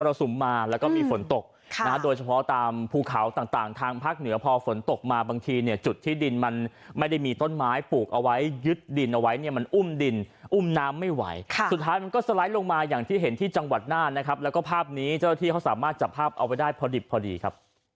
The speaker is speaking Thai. สุมมาแล้วก็มีฝนตกโดยเฉพาะตามภูเขาต่างทางภาคเหนือพอฝนตกมาบางทีเนี่ยจุดที่ดินมันไม่ได้มีต้นไม้ปลูกเอาไว้ยึดดินเอาไว้เนี่ยมันอุ้มดินอุ้มน้ำไม่ไหวสุดท้ายมันก็สไลด์ลงมาอย่างที่เห็นที่จังหวัดน่านนะครับแล้วก็ภาพนี้เจ้าที่เขาสามารถจับภาพเอาไว้ได้พอดิบพอดีครับ